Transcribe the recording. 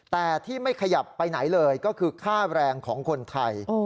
แต่ที่ไม่ขยับไปไหนเลยก็คือค่าแรงของคนไทย